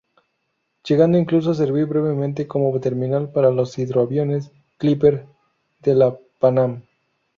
Llegando incluso a servir brevemente como terminal para los hidroaviones "Clipper" de la PanAm.